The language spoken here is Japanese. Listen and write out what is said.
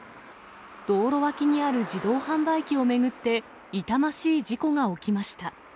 道路脇にある自動販売機を巡って、痛ましい事故が起きました。